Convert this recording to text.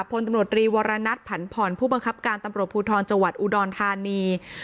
พลตำรวจรีวรณัฐผันผ่อนผู้บังคับการตำรวจภูทรจังหวัดอุดรธานี